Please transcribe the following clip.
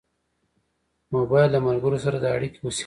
موبایل له ملګرو سره د اړیکې وسیله ده.